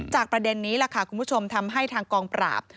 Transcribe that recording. ประเด็นนี้ล่ะค่ะคุณผู้ชมทำให้ทางกองปราบ